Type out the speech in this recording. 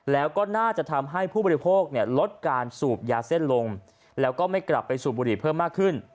แล้วก็น่าจะทำให้ผู้บริโภคลดการสูบยาเส้นลงแล้วก็ไม่กลับไปสูบบุหรี่เพิ่มมากขึ้น